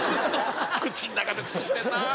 口の中で作ってんなぁ。